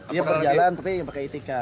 dia berjalan tapi pakai etika